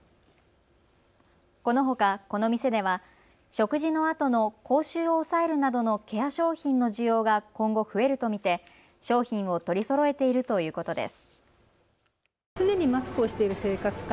このほか、この店では食事のあとの口臭を抑えるなどのケア商品の需要が今後、増えると見て商品を取りそろえるているということです。